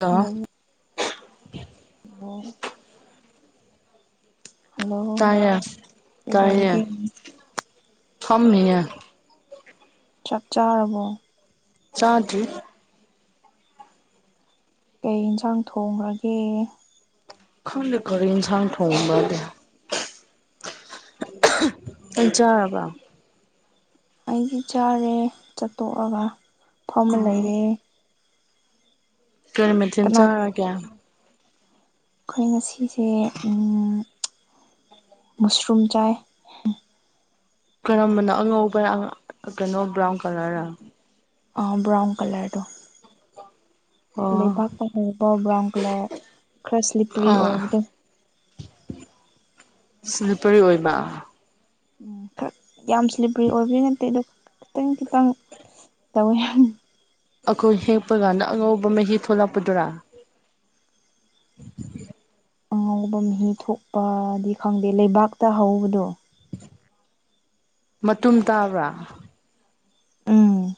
ꯑ [unintelligible] ꯕꯣ ꯍꯜꯂꯣ ꯇꯥꯏꯌꯦ ꯇꯥꯏꯌꯦ ꯀꯩꯗꯧꯔꯤꯒꯦ ꯐꯝꯃꯤꯌꯥ ꯆꯥꯛ ꯆꯥꯔꯕꯣ ꯆꯥꯗꯔꯤ ꯀꯩ ꯌꯦꯟꯁꯥꯡ ꯊꯣꯡꯉꯒ꯭ꯔꯒꯦ ꯈꯪꯗꯦ ꯀꯔꯤ ꯟꯁꯥꯡ ꯊꯣꯡꯕꯗ ꯇꯜ ꯆꯥꯔꯕ ꯑꯩꯗꯤ ꯆꯥꯔꯦ ꯆꯥꯠꯇꯣꯛꯑꯒ ꯐꯝꯃ ꯂꯩꯔꯦ ꯀꯔꯤ ꯃꯊꯦꯜ ꯀꯅꯥ ꯆꯔꯒꯦ ꯑꯩꯈꯣꯏ ꯉꯁꯤꯁꯦ ꯃꯨꯁꯔꯨꯝ ꯆꯥꯏ ꯀꯔꯝꯕꯅꯣ ꯑꯉꯧꯕꯅ ꯀꯩꯅꯣ ꯕ꯭ꯔꯥꯎꯟ ꯀꯂꯔ ꯔ ꯑ ꯕ꯭ꯔꯥꯎꯟ ꯀꯂꯔꯗꯣ ꯑꯣ ꯂꯩꯕꯥꯛ ꯑꯔꯛꯄ ꯕ꯭ꯔꯥꯎꯟ ꯀꯂꯔ ꯈꯔ ꯁ꯭ꯂꯤꯞꯄꯔꯤ ꯑꯥ ꯑꯣꯏꯕꯗꯣ ꯁ꯭ꯂꯤꯄꯔꯤ ꯑꯣꯏꯕ ꯈ ꯌꯥꯝ ꯁ꯭ꯂꯤꯞꯄ꯭ꯔꯤ ꯑꯣꯏꯕꯒꯤ ꯅꯠꯇꯦ ꯑꯗꯣ ꯈꯤꯇꯪ ꯈꯤꯇꯪ ꯇꯧꯋꯦ ꯑꯩꯈꯣꯏ ꯍꯦꯛꯄ ꯀꯥꯟꯗ ꯑꯉꯧꯕ ꯃꯍꯤ ꯊꯣꯛꯂꯛꯄꯗꯨꯔꯥ ꯑꯉꯧꯕ ꯃꯍꯤ ꯊꯣꯛꯄꯗꯤ ꯈꯪꯗꯦ ꯂꯩꯕꯥꯛꯇ ꯍꯧꯕꯗꯣ ꯃꯇꯨꯝ ꯇꯥꯕ꯭ꯔꯥ ꯎꯝ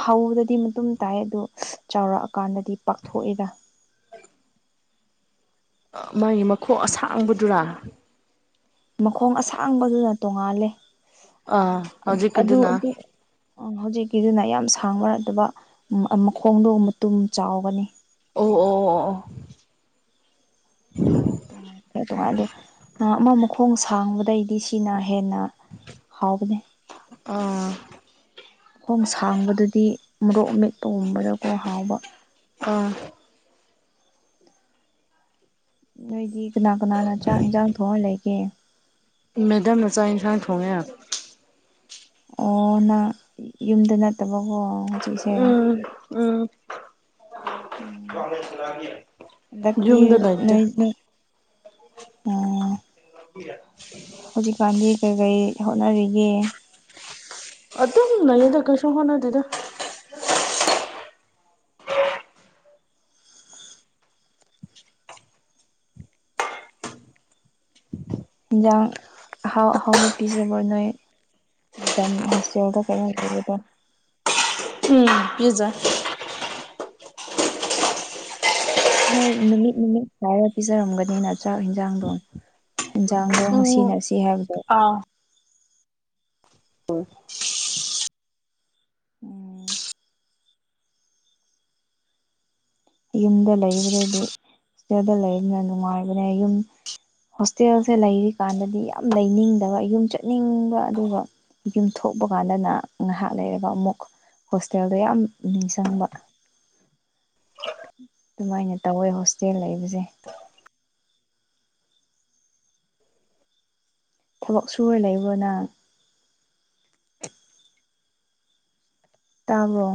ꯍꯧꯕꯗꯗꯤ ꯃꯇꯨꯡ ꯇꯥꯏ ꯑꯗꯨꯗꯣ ꯆꯥꯎꯔꯛꯑꯀꯥꯟꯗꯗꯤ ꯄꯥꯛꯊꯣꯛ ꯑꯦ ꯗ ꯃꯥꯒꯤ ꯃꯈꯣꯛ ꯑꯁꯥꯡꯕꯗꯨꯔꯥ ꯃꯈꯣꯡ ꯑꯁꯥꯡꯕꯗꯨꯅ ꯇꯣꯉꯥꯜꯂꯦ ꯑꯥ ꯑꯗꯨ ꯍꯧꯖꯤꯛꯀꯤꯗꯨꯅ ꯍꯧꯖꯤꯛꯀꯤꯗꯨꯅ ꯌꯥꯝ ꯁꯥꯡꯕ ꯅꯠꯇꯕ ꯃꯈꯣꯡꯗꯣ ꯃꯇꯨꯝ ꯆꯥꯎꯒꯅꯤ ꯑꯣ ꯑꯣ ꯑꯣ ꯑꯣ [unintelligible] ꯑꯃ ꯃꯈꯣꯡ ꯁꯥꯡꯕꯗꯩꯗꯤ ꯁꯤꯅ ꯍꯦꯟꯅ ꯍꯥꯎꯕꯅꯦ ꯑꯥ ꯈꯣꯡ ꯁꯥꯡꯕꯗꯨꯗꯤ ꯃꯣꯔꯣꯛ ꯑꯃꯦꯠꯄꯒꯨꯝꯕꯗꯀꯣ ꯍꯥꯎꯕ ꯑꯥ ꯅꯣꯏꯗꯤ ꯀꯅꯥ ꯀꯅꯥꯅ ꯆꯥꯛ ꯏꯟꯁꯥꯡ ꯊꯣꯡꯑ ꯂꯩꯒꯦ ꯃꯦꯗꯝꯅ ꯆꯥꯛ ꯌꯦꯟꯁꯥꯡ ꯊꯣꯡꯉꯦ ꯑꯣ ꯅꯪ ꯌꯨꯝꯗ ꯅꯠꯇꯕꯀꯣ ꯍꯧꯖꯤꯛꯁꯦ ꯎꯝ ꯎꯝ ꯎꯝ ꯍꯟꯗꯛꯇꯤ ꯌꯨꯨꯝꯗ ꯂꯥꯏꯇꯦ ꯅꯣꯏ ꯑꯣ [unintelligible] ꯍꯧꯖꯤꯛꯀꯥꯟꯗꯤ ꯀꯔꯤ ꯀꯔꯤ ꯍꯣꯠꯅꯔꯤꯒꯦ ꯑꯗꯨꯝ ꯂꯩꯗ ꯀꯩꯁꯨ ꯍꯣꯠꯅꯗꯦꯗ ꯌꯦꯟꯖꯥꯡ ꯑꯍꯥꯎ ꯑꯍꯥꯎꯕ ꯄꯤꯖꯕ ꯅꯣꯏ ꯃꯦꯗꯥꯝ ꯍꯣꯁꯇꯦꯜꯗ [unintelligible] ꯎꯝ ꯄꯤꯖꯥ ꯅꯣꯏ ꯅꯨꯃꯤꯠ ꯅꯨꯃꯤꯠ ꯁꯥꯏꯔ ꯄꯤꯖꯔꯝꯒꯅꯤꯅ ꯆꯥꯛ ꯏꯟꯖꯥꯡꯗꯣ ꯌꯦꯟꯁꯥꯡꯗꯣ ꯉꯁꯤ ꯎꯝ ꯅꯁꯤ ꯍꯥꯏꯕꯗꯣ ꯑꯥ ꯍꯣꯏ ꯎꯝ ꯌꯨꯝꯗ ꯂꯩꯕꯗꯗꯤ ꯁꯤꯗꯗ ꯂꯩꯕꯅ ꯅꯨꯡꯉꯥꯏꯕꯅꯦ ꯌꯨꯝ ꯍꯣꯁꯇꯦꯜꯁꯦ ꯂꯩꯔꯤꯀꯥꯟꯗꯗꯤ ꯌꯥꯝ ꯂꯩꯅꯤꯡꯗꯕ ꯌꯨꯝ ꯆꯠꯅꯤꯡꯕ ꯑꯗꯨꯒ ꯌꯨꯝ ꯊꯣꯛꯄ ꯀꯥꯟꯗꯅ ꯉꯥꯏꯍꯥꯛ ꯂꯩꯔꯒ ꯑꯃꯨꯛ ꯍꯣꯁꯇꯦꯜꯗ ꯌꯥꯝ ꯅꯤꯡꯁꯤꯡꯕ ꯑꯗꯨꯃꯥꯏꯅ ꯇꯧꯋꯦ ꯍꯣꯁꯇꯦꯜ ꯂꯩꯕꯁꯦ [unintelligible] ꯊꯕꯛ ꯁꯨꯔ ꯂꯩꯕ꯭ꯔꯣ ꯅꯪ ꯇꯥꯕ꯭ꯔꯣ